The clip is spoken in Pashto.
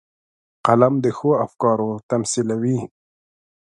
قلم د ښو افکارو تمثیلوي